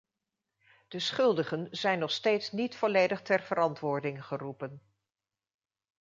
De schuldigen zijn nog steeds niet volledig ter verantwoording geroepen.